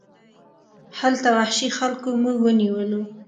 هلته وحشي خلکو موږ ونیولو.